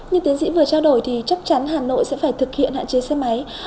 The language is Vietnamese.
như tiến sĩ vừa trao đổi thì chắc chắn hà nội sẽ phải thực hiện hạn chế xe máy